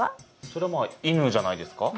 それはまあ犬じゃないですか？